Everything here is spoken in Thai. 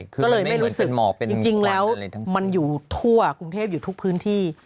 ก็เลยไม่รู้สึกจริงแล้วมันอยู่ทั่วกรุงเทพอยู่ทุกพื้นที่